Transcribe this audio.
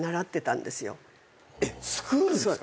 えっスクールですか？